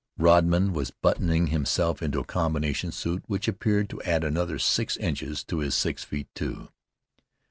Rodman was buttoning himself into a combination suit which appeared to add another six inches to his six feet two.